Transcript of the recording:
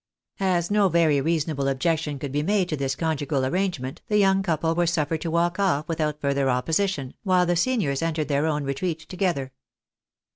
As no very reasonable objection could be made to this conjugal arrangement, the young couple were suffered to walk off without further opposition, while the seniors entered their own retreat together.